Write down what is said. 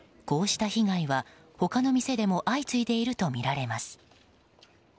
こうした被害は、他の店でも相次いでいるとみられます。